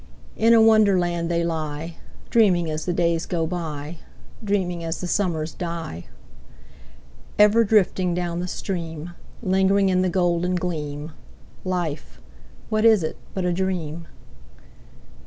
In a Wonderland they lie, Dreaming as the days go by, Dreaming as the summers die: Ever drifting down the stream— Lingering in the golden gleam— Life, what is it but a dream?